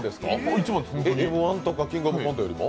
「Ｍ−１」とか「キングオブコント」よりも？